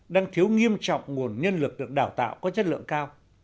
đang thiếu nghiêm trọng nguồn nhân lực được đào tạo có chất lượng cao